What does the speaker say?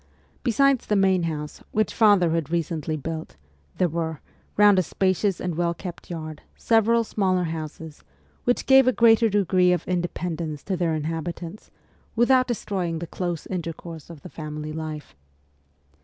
Besides the main house, which father had recently built, there were, round a spacious and well kept yard, several smaller houses, which gave a greater degree of independence to their inhabitants, without destroying the close intercourse of the family life.